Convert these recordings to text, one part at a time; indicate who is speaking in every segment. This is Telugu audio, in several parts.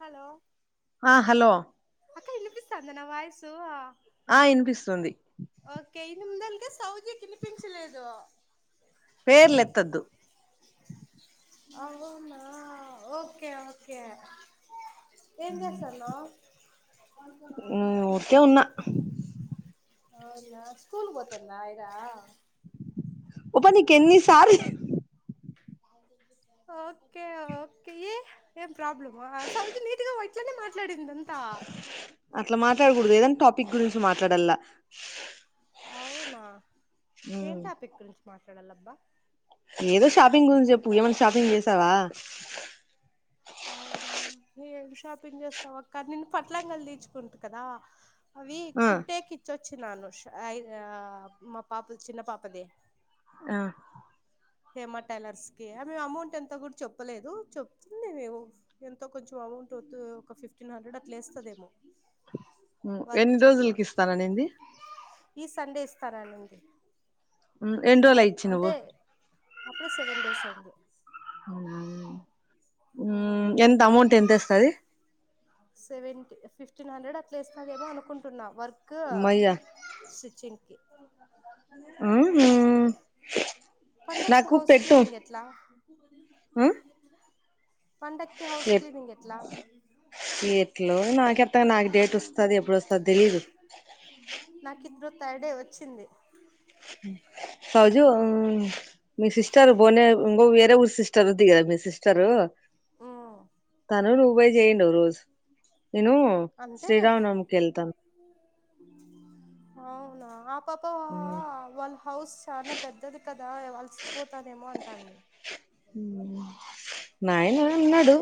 Speaker 1: హలో
Speaker 2: ఆ హలో
Speaker 1: అక్క ఇనిపిస్థాందా నా వాయిసు
Speaker 2: ఆ ఇనిపిస్తుంది
Speaker 1: ఓకే ఎనిమిదలకే సౌజికిఇనిపించలేదు
Speaker 2: పేర్లెత్తద్దు
Speaker 1: అవున ఓకే ఓకే ఏం చేస్తాన్నావ్
Speaker 2: ఊరికే ఉన్నా
Speaker 1: అవునా స్కూల్ పోతంద ఐరా
Speaker 2: పప్పనికెన్ని సార్లు
Speaker 1: ఓకే ఓకే ఏ ఏ ప్రాబ్లమ్ ఆ సౌజీ నీటిగా వై ట్లనే మాట్లాడిందంత
Speaker 2: అట్లా మాట్లాడకూడదు ఏదైనా టాపిక్ గురించి మాట్లాడల్లా
Speaker 1: అవున ఏం టాపిక్ మాట్లాడలబ్బా
Speaker 2: ఏదో షపింగ్ గురించి చెప్పు ఏమై షపింగ్ చేస్తే నవా
Speaker 1: అవునా ఏం షాపింగ్ చేస్తాం అక్క నిన్ను పట్లంగలు తీచుకుంటు కదా అవి
Speaker 2: ఆ
Speaker 1: కుట్టేకిచొచ్ చ్చి నాను ఆయ్ ఆ మా పాపది చిన్న పాపది
Speaker 2: ఆ
Speaker 1: హేమ టైలర్స్ కి మేము అమౌంట్ ఎంత కూడా చెప్పలేదు చెప్తుందిఏమో ఎంతో కొంచెం అమౌంట్ ఒక ఫిఫ్టీన్ హండ్రెడ్ అట్లా ఏస్తదేమో
Speaker 2: ఎన్ని రోజులకి ఇస్తాన నంది
Speaker 1: ఈ సండే ఇస్తాననింది
Speaker 2: హు ఏండ్రోలాయే ఇచ్చి
Speaker 1: అంటే
Speaker 2: నువ్వు
Speaker 1: అప్పుడే సెవెన్ డేస్ అయింది
Speaker 2: అవునా హు ఎంత అమౌంట్ ఎంత ఏస్తది
Speaker 1: సెవె ఫిఫ్టీన్ హండ్రెడ్ అట్లా ఇస్తాదేమో అనుకుంటున్నా వర్క్ ర్క్
Speaker 2: మయ్యా
Speaker 1: స్టిచ్చింగ్ కి
Speaker 2: అ
Speaker 1: పండక్కి హౌస్ క్లీనింగ్ ఎట్లా
Speaker 2: ఊ
Speaker 1: పండక్కి హౌస్ క్లీనింగ్ ఎట్లా
Speaker 2: ఎట్లో నాకెట్ట నాకు డేట్ ఎప్పుడు వస్తాది ఎప్పుడు వస్తా తెలిదు
Speaker 1: థర్డే వచ్చింది
Speaker 2: సౌజు మీ సిస్టర్ బోనే ఇంగ వేరే ఊరు సిస్టర్ దిగద మీ సిస్టరు
Speaker 1: ఉమ్
Speaker 2: అన రూపయి చేయండ ఓ రోజు నేను
Speaker 1: అంతేలే
Speaker 2: శ్రీరామ్ నవాబుకి వెళ్తాను
Speaker 1: అవునా పాప
Speaker 2: ఉమ్,
Speaker 1: వాళ్ళ హౌస్ చాలా పెద్దది కదా వలసిపోతాదేమో అంటాంది
Speaker 2: నాయన అన్నాడు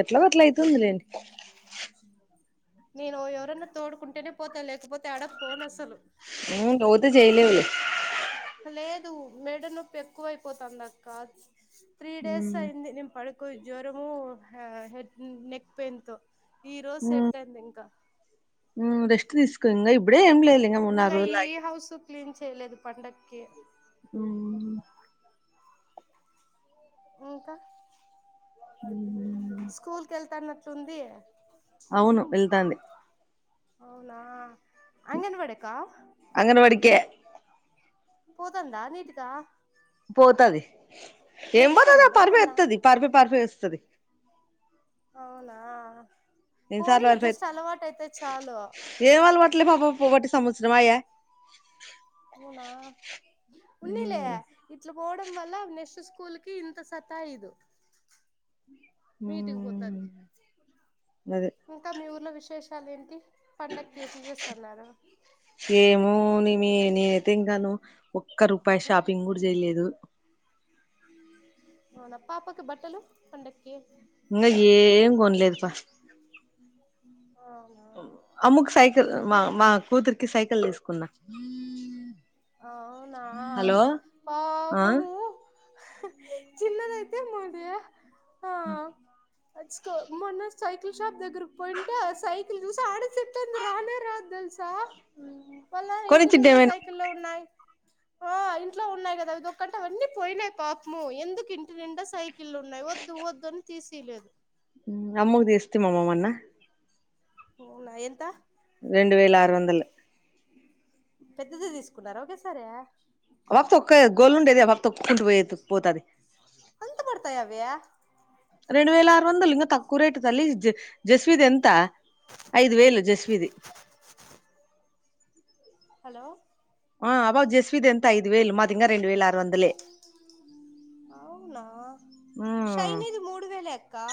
Speaker 2: ఎట్లో ఒకట్ల అయితుంది లేండి
Speaker 1: నేను ఎవరన్నా తోడుకుంటేనే పోతా లేకపోతే ఆడ పోను అసలు
Speaker 2: ఊర్లో ఉంటే చేయలేవులే
Speaker 1: లేదు మెడ నొప్పి ఎక్కువైపోతుందిక్క త్రీ డేస్
Speaker 2: ఉమ్,
Speaker 1: అయింది పడుకో జ్వరము హెడ్ నెక్ పెయిన్ తో ఈ రోజు
Speaker 2: ఉమ్,
Speaker 1: సెట్ అయింది ఇంకా
Speaker 2: రెస్ట్ తీసుకుంగా ఇ ఇప్పుడే ఎంలే ఇంగ మూడు
Speaker 1: ఇంకా
Speaker 2: నాలుగు రోజులు
Speaker 1: ఈ
Speaker 2: లాగి
Speaker 1: హౌస్ క్లీన్ చేయలేదు పండక్కి
Speaker 2: ఊ
Speaker 1: ఇంకా
Speaker 2: ఉ
Speaker 1: స్కూల్ కెళ్తాన్నట్లుంది
Speaker 2: అవును వెళ్తాంది
Speaker 1: అవునా అంగన్వాడి కా
Speaker 2: అంగన్వాడికే
Speaker 1: పోదందా నీటిదా
Speaker 2: పోతది ఏం పోతది
Speaker 1: నేర్చుకోనిందా ఏమన్నా
Speaker 2: పరిపేస్తది పరిఫే పరిఫే వేస్తది
Speaker 1: అవునా
Speaker 2: ఎన్ని సార్లు అై
Speaker 1: పోనీలే జస్ట్ అలవాటు అయితే చాలు
Speaker 2: ఏం అలవాట్లే పాబ పోటి స శర్మా
Speaker 1: పోనా ఉన్నీలే ఇట్ల పోవడం వల్ల నెస్ కూల్కి ఇంత సతా ఇదు మీటికి పోతుది
Speaker 2: మ్మ్ అదే
Speaker 1: ఇంకా మీ ఊర్లో విశేష చాలేన్టి పండగకిట్లు చేస్తున్నారు
Speaker 2: ఏమో నీ మీ నేనైతే ఇంకాను ఒక్క రూపాయి షాపింగ్ కూడా చేయలేదు
Speaker 1: అవునా పాపాకి బట్టలు పండకి
Speaker 2: ఇంగా ఏం కొనలేదు పా
Speaker 1: ఉమ్
Speaker 2: అమ్ముకి సైకల్ మా మా కూతురికి సైకల్ లేసు కున్నా
Speaker 1: అవునా
Speaker 2: హలో ఆ
Speaker 1: పాపము చిన్నదైతే మోదయా ఆ అచ్చుకో మొన్న సైకిల్ షాప్ దగ్గరకు పోయింటే సైకిల్ చూసి ఆడసట్లంది రానే రాదు తెలిసి స మల్లా నేను
Speaker 2: కొనిచ్చింటే
Speaker 1: ఉ
Speaker 2: ఏమైనా
Speaker 1: సైకిల్ లో ఉ ఆ ఇంట్లో ఉన్నాయి కదా ఇది ఒంట అన్నీ పోయినాయి పాపము ఎందుకు ఇంటి నిండా సైకిల్ ఉన్నాయి వద్దు వద్దు అని తీసేయలేదు
Speaker 2: అమ్ముకి తెస్తిమమ్మ మొన్న
Speaker 1: అవునా ఎంత
Speaker 2: రెండు వేల ఆరు వందలు
Speaker 1: పెద్దది తీసుకున్నార ఒకే సారే
Speaker 2: ఆ పాప తొక్కేఒక గోలు ఉండేది ఆ పాప తొక్కుంటూ పోయేది పోతది
Speaker 1: అంత పడతాయ అవి
Speaker 2: రెండు వేల ఆరు వందలు ఇంకా తక్కువ రేట్ తల్లి జ జస్విీది ఎంత ఐదు వేలు జస్విీది
Speaker 1: హలో
Speaker 2: ఆ అబా జస్విీద్ ఎంత ఐదు వేల్ మదింగా
Speaker 1: అవునా శైనిది మూడు వేలే అ కా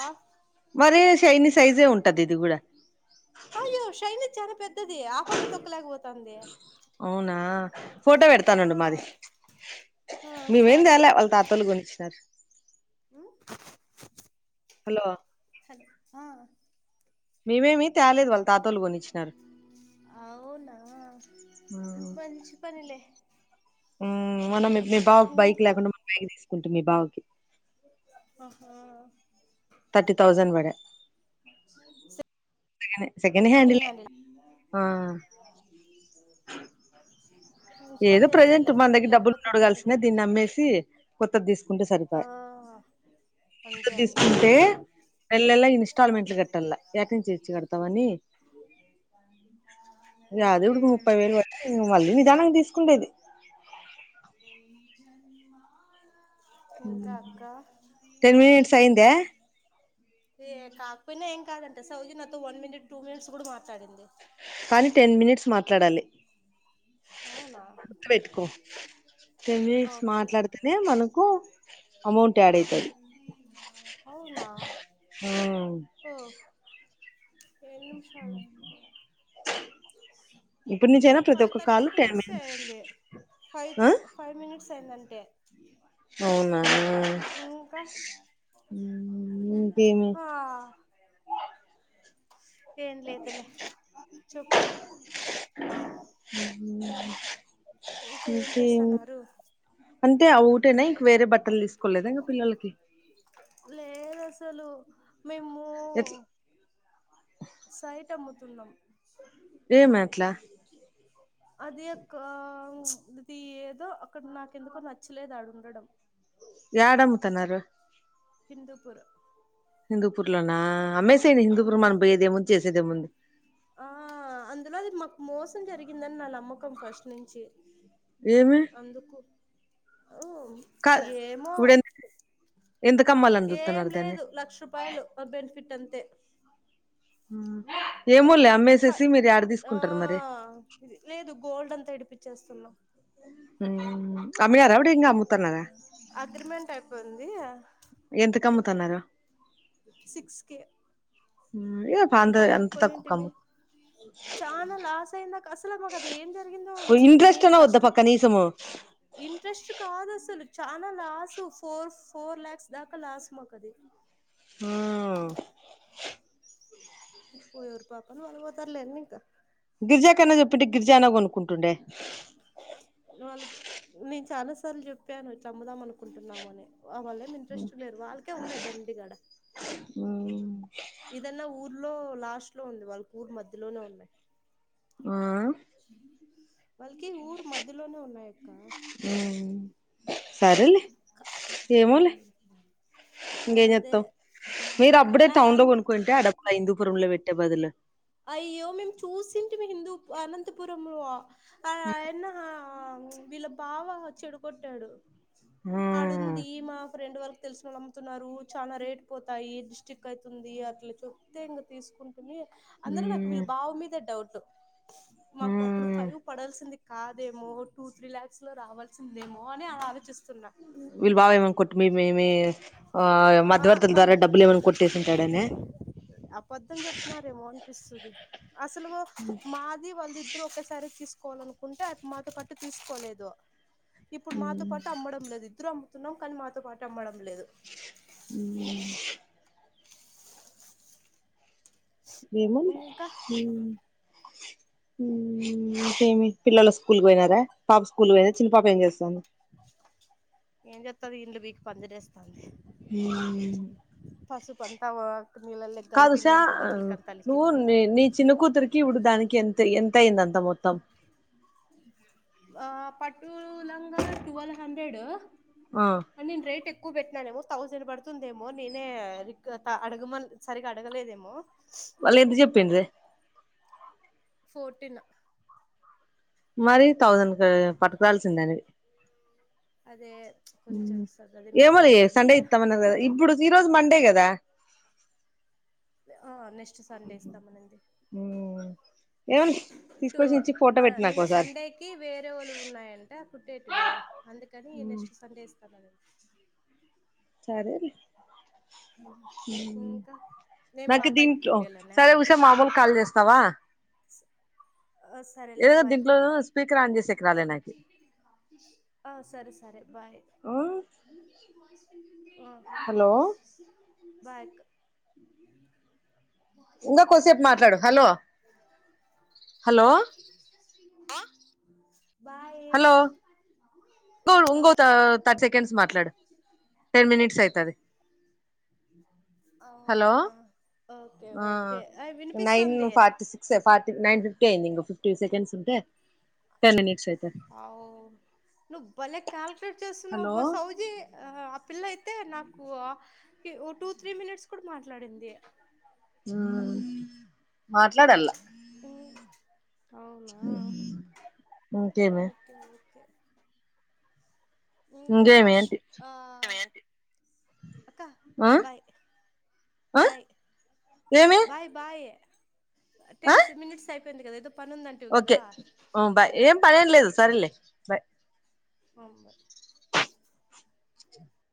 Speaker 2: మరీ షైనీ సైజే ఉంటది ఇది కూడా
Speaker 1: అయ్యో శైైనీ ది చాలా పెద్ద
Speaker 2: అవునా ఫోటో
Speaker 1: ఆ
Speaker 2: పెడతానుండు మాది
Speaker 1: ఆ
Speaker 2: మేమేం
Speaker 1: సరే
Speaker 2: తేల వాళ్ళ తాత వాళ్ళు కొనిచ్చినారు
Speaker 1: ఉమ్
Speaker 2: హలో
Speaker 1: హలో ఆ
Speaker 2: మీ మేమీ తాలేదు వాళ్ళ తతోళ్లు కొనిచ్చినారు
Speaker 1: అవునా
Speaker 2: ఆ
Speaker 1: మంచి పనిలే
Speaker 2: ఉమ్ మొన్న మీ బావకు బైక్
Speaker 1: ఇంకా
Speaker 2: లేకుండా బయటికి తీస్ కుంటి మీ బావకి
Speaker 1: ఆహా
Speaker 2: థర్టీ తౌసండ్ బడే [unintelligible] సెకండ్ హ్యాండిలే
Speaker 1: మంచి పని
Speaker 2: ఏదో ప్రజెంట్
Speaker 1: చేశాడులే
Speaker 2: మన
Speaker 1: పాపం
Speaker 2: దగ్గర డబ్బులు
Speaker 1: లేకపోతే ఇబ్బంది
Speaker 2: ఉన్నప్పుడు
Speaker 1: కదా
Speaker 2: దీన్ని అమ్మేసి కొత్తది తీసుకుంటే
Speaker 1: ఆ
Speaker 2: సరిపోయ
Speaker 1: అంతే
Speaker 2: కొత్తది
Speaker 1: అంతే
Speaker 2: తీసుకుంటే నెలనెల ఇన్స్టాల్మెంట్లు కట్టాల యాట్నుంచి తెచ్చి కడతాం అని
Speaker 1: ఓకే
Speaker 2: యాదవ్ ఇప తీసుకుండేది
Speaker 1: ఇంకా అక్క
Speaker 2: టెన్ మినట్స్ అయిందా
Speaker 1: ఏ కాక్పోయినా ఏం కాదంట సౌజి నాతో వన్ మనిట్ టూ మినిట్స్ కూడా మాట్లాడింది
Speaker 2: కానీ టెన్ మినిట్స్ మాట్లాడాలి
Speaker 1: అవునా
Speaker 2: గుర్తు పెట్టుకో టెన్ మినిట్స్
Speaker 1: ఓకే
Speaker 2: మాట్లాడితేనే మనకు అమౌంట్ యాడ్ అయితది
Speaker 1: అవునా ఓ ఎన్ని నిమిషాలు
Speaker 2: ఇప్పుడు నుంచైనా ప్రతి ఒక్క కాల్ టెన్ మినిట్స్
Speaker 1: అయింది ఫైవ్
Speaker 2: ఆ
Speaker 1: తర్టీ ఫైవ్ మినిట్సే అయింది ఏంటంటే
Speaker 2: అవునా
Speaker 1: ఇంకా
Speaker 2: ఇంకేమి
Speaker 1: హా ఏమ్ లేదలే చెప్పు ఇంకా ఏం
Speaker 2: ఇంకేం
Speaker 1: చేస్తున్నారు
Speaker 2: అంటే ఆ ఒకటేనా ఇంక వేరే బట్టలు తీసుకోలేద ఇంకా పిల్లలకి
Speaker 1: లేదు అసలు మేము
Speaker 2: ఎట్ల్
Speaker 1: సైట్ అమ్ముతున్నాం
Speaker 2: ఏమి అట్లా
Speaker 1: అది అక్క అది ఏదో అక్కడ నాకెందుకో నచ్చలేదు ఆడ ఉండడం
Speaker 2: యాడ అమ్ముతున్నారు
Speaker 1: హిందుపూర్
Speaker 2: హిందుపూర్లోనా అమ్మేసేయండి హిందూపురం మన పోయేదేముంది చేసేదేముంది
Speaker 1: ఆ అందులో అది మాకు మోసం జరిగిందని నా నమ్మకం ఫస్ట్ నుంచి
Speaker 2: ఏమి
Speaker 1: అందుకు ఉమ్
Speaker 2: కాదు
Speaker 1: ఏమో
Speaker 2: ఇప్పుడు ఎంత ఎంతకమ్మాలని
Speaker 1: ఏం
Speaker 2: చూస్తున్నారు దాన్ని
Speaker 1: లేదు లక్ష రూపాయలు మా బెనిఫిట్ అంతే
Speaker 2: ఆ ఏమో లే
Speaker 1: ఫ
Speaker 2: అమ్మేసేసి మీరు యడ
Speaker 1: ఆ
Speaker 2: తీసుకుంటారు మరి
Speaker 1: చేస్తున్నాం
Speaker 2: అమ్ అమ్మిన్నారా వడ్డింకి
Speaker 1: అగ్రిమెంట్ అయి పోయింది
Speaker 2: ఎంత కమ్ముతున్నారు
Speaker 1: సిక్స్ కే
Speaker 2: ఏ అంత
Speaker 1: ఫైవ్
Speaker 2: అంత తక్కువకు
Speaker 1: కొనింటిమీ
Speaker 2: అమ్ము
Speaker 1: చాలా లాస్ అయిందాక అసలు మాకు అది ఏం జరిగిందో
Speaker 2: ఇంట్రెస్ట్
Speaker 1: మేం
Speaker 2: అన్నా వద్దా
Speaker 1: ఫస్ట్
Speaker 2: పక్క కనీసము
Speaker 1: ఇంట్రెస్ట్ కాదు అసలు చాలా లాస్ ఫోర్ ఫోర్ ల్యాక్స్ దాకా లాస్ మాకు అది
Speaker 2: ఆ
Speaker 1: పోయారు పాపాన వాళ్ళు పోతారులే ఇంకా
Speaker 2: గిరిజా కన్నా చెప్పింటే గిరిజా అన్న కొనుక్కుంటుండే
Speaker 1: వాళ్ళ నేను చాలా సార్లు చెప్పాను ఇట్ల అమ్ముదాం అనుకుంటున్నామ అని వా వాళ్ళ ఏమి ఇంట్రెస్ట్ లేరు వాళ్ళకే ఉన్నాయి దండి గడ ఇంట్లో లాస్ట్ లో ఉంది వాళ్ళకి ఊరు మధ్యలోనే ఉన్నాయి
Speaker 2: ఆ
Speaker 1: స వాళ్ళకి ఊరు మధ్యలోనే ఉన్నాయి అక్క
Speaker 2: సరేలే ఏమోలే ఇంకేం
Speaker 1: అదే
Speaker 2: చేస్తావ్ మీరు అప్పుడే టౌన్ లో
Speaker 1: లాంగ్
Speaker 2: కొనుక్కుంటే ఆ డబ్బులు ఆ హిందూపురంలో పెట్టే బదులు
Speaker 1: అయ్యో మేము చూసింటిమి హిందూ వా అనంతపురంలో ఆ ఆయన్న హ వీళ్ళ బావ చెడు కొట్టాడు
Speaker 2: ఉమ్
Speaker 1: ఆడుంది మా ఫ్రెండ్ వాళ్ళ తెలుసునోళ్ళు అమ్ముతున్నారు చాలా రేటు పోతాయి డిస్టిక్ అవుతుంది అట్లా చెప్తే ఇంకా తీసుకున్నం పిన్ని అందరూ నాకు
Speaker 2: ఉమ్
Speaker 1: వీళ్ళు బావ మీదే డౌట్ తో మాకు అప్పుడు
Speaker 2: ఉమ్
Speaker 1: ఫైవ్ పడాల్సింది కాదేమో టూ త్రీ లా్యాక్స్ లో రావాల్సిందేమో అని అలా ఆలోచిస్తు
Speaker 2: వీళ్ళు బావ ఏమని కొట్టి మీ మేమి ఆ
Speaker 1: ఆ
Speaker 2: మధ్యవర్తుల
Speaker 1: వాళ్ళు
Speaker 2: ద్వారా డబ్బులు ఏమని కొట్టేసింటాడనే
Speaker 1: అబద్ధం చెప్నారేమో అనిపిస్తుంది అ అసలువో ది వాళ్ళ ఇద్దరు ఒకసారి తీసుకోవాలనుకుంటే అ మాత కట్టు తీసుకోలేదు ఇప్పుడు మాతో పాటు అమ్మడం లేదు కుతురు అమ్ముతున్నాం కానీ మాతో పాట అమ్మడం లేదు
Speaker 2: అ ఏేముంది
Speaker 1: ఇంకా
Speaker 2: ేమి పిల్లల్లో స్కూల్ పోయినారా పాప స్కూల్ పోయిన చిన్న పాప ఏం చేస్తాను
Speaker 1: ది ఇండు పీకి పందిర చేేస్తాంది
Speaker 2: హ
Speaker 1: పశుపంత వ
Speaker 2: కాదు ఉష నువ్వు
Speaker 1: అలికింది
Speaker 2: న నీ చిన్న కూతురికి ఇడుదానికి ఎంత ఎంత అయింద అంత మొత్తం
Speaker 1: ఆ పట్టు లంగా టువల్ హండ్రెడ్
Speaker 2: ఆ
Speaker 1: అ నేన్ రైట్ ఎ ఎక్కువ పెట్టినానేమో థౌజండ్ పడుతుందేమో నేనే ర అడగమని సరిగగా అడగలేదేమో
Speaker 2: మళ్ళ ఎంత చెప్పింది
Speaker 1: ఫోర్టీన్
Speaker 2: మరి థౌసండ్ క పట్టుకరాల్సింద అనేవి
Speaker 1: అదే కొంచెం సార్ అదే
Speaker 2: ఏమో లే
Speaker 1: మిస్టేక్ అయింది
Speaker 2: సండే ఇస్తామన్నారు కదా ఇప్పుడు ఈ రోజు మండే అంటే కదా
Speaker 1: ఆ ని నట్ సండే ఇస్తామన
Speaker 2: ఏమని తీసుకొచ్చి ఇచ్చి ఫోటో పెట్టు నాకు
Speaker 1: నిన్న
Speaker 2: ఒకసారి
Speaker 1: సండేకి వేరే వాళ్ళు ఉన్నాయంట కుుట్టేటివి అందుకని నెక్స్ట్ సండే ఇస్తామనండి
Speaker 2: సరే
Speaker 1: ఇంకా నేను
Speaker 2: నాకు
Speaker 1: పాపాయికి
Speaker 2: దీంట్
Speaker 1: కుట్టేయాలనా
Speaker 2: సరే ఉషే మామూలు ఖాళీ చేస్తావా
Speaker 1: ఆ సరేలే
Speaker 2: ఏదో
Speaker 1: బాయ్
Speaker 2: దీంట్లో స్పీకర్ ఆన్ చేసేకి రాలే నాకి
Speaker 1: ఆ సరే సరే బాయ్
Speaker 2: హలో
Speaker 1: బా
Speaker 2: ఇంకా కొసేపు మాట్లాడు హలో హలో
Speaker 1: బా
Speaker 2: హలో ఇ
Speaker 1: హలో
Speaker 2: ఇంకో థర్టీ సెకండ్స్ మాట్లాడు టెన్ మినిట్స్ అవుతుంది హలో
Speaker 1: అవునా ఓకే ఓకే
Speaker 2: నైన్
Speaker 1: వినిపిస్తుంది
Speaker 2: forty six Phati nine fifty అయింది ఇం ఫిఫ్టీ సెకండ్స్ ఉంట
Speaker 1: అ నువ బలే కల్క్యులేట్ చేస్త నవ
Speaker 2: హలో
Speaker 1: బస్ అౌజి ఆ పిల్ల యి అయితే నాకు ఓ టూ త్రీ మినిట్స్ కూడా మాట్లాడింది
Speaker 2: ఉమ్ మాట్లాడలా
Speaker 1: వు
Speaker 2: [inaudible] ఇంకేమి
Speaker 1: ఓకే ఓకే ఇంకా
Speaker 2: ఇంకేమి
Speaker 1: అష్
Speaker 2: ఏంటి
Speaker 1: ఆ కంటి అక్క
Speaker 2: ఆ
Speaker 1: బాయ్
Speaker 2: ఆ
Speaker 1: బాయ్
Speaker 2: ఏమి
Speaker 1: బాయ్ బాయ్ టెన్
Speaker 2: ఆ
Speaker 1: మనిట్స్ పోయింది కథ ఏందో
Speaker 2: ఓకే ఉహ్ బాయ్. ఏం పనేం లేదు సరే లే బాయ్
Speaker 1: ఆహ్ బాయ్